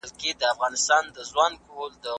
زه به د زده کړو تمرين کړی وي؟